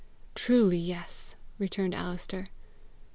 "Truly, yes," returned Alister.